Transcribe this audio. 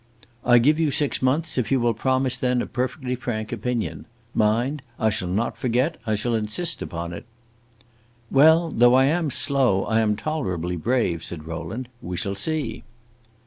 "I give you six months if you will promise then a perfectly frank opinion. Mind, I shall not forget; I shall insist upon it." "Well, though I am slow, I am tolerably brave," said Rowland. "We shall see."